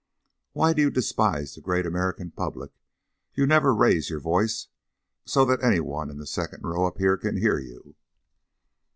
"Why do you despise the great American public? You never raise your voice so that any one in the second row up here can hear you."